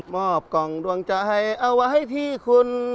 อบกล่องดวงใจเอาไว้ให้พี่คุณ